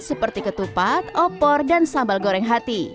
seperti ketupat opor dan sambal goreng hati